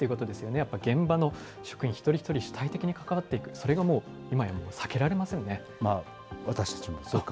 やっぱり現場の職員一人一人、主体的に関わっていく、私たちもそうかもしれませんね。